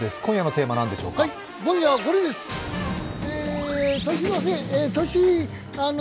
今夜のテーマは何でしょうか？